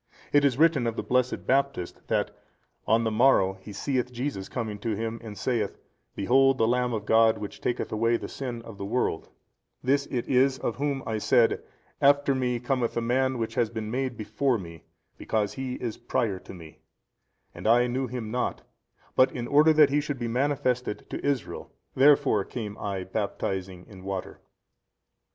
It is written of the blessed Baptist that, On the morrow he seeth Jesus coming to him and |280 saith, Behold the Lamb of God which taketh away the sin of the world: this it is of whom I said, After me cometh a Man which has been made before me because He is prior to me, and I knew Him not, but in order that He should be manifested to Israel, therefore came I baptizing in water.